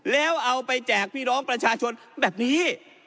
แล้วเอาไปแจกพี่น้องประชาชนแบบนี้